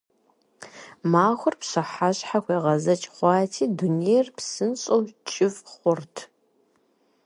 Махуэр пщыхьэщхьэ хуегъэзэкӀ хъуати, дунейр псынщӀэу кӀыфӀ хъурт.